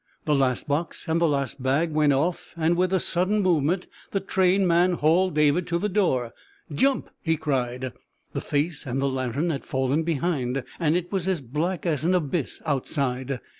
The last box and the last bag went off, and with a sudden movement the train man hauled David to the door. "Jump!" he cried. The face and the lantern had fallen behind, and it was as black as an abyss outside.